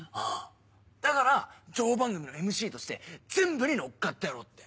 だから情報番組のＭＣとして全部に乗っかってやろうって。